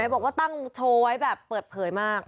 บอกว่าตั้งโชว์ไว้แบบเปิดเผยมาก